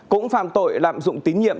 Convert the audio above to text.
cũng phạm tội lạm dụng tín nhiệm